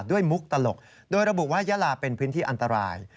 มุกตลกโดยระบุว่ายาลาเป็นพื้นที่อันตราย